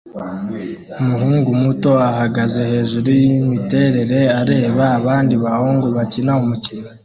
Umuhungu muto ahagaze hejuru yimiterere areba abandi bahungu bakina umukino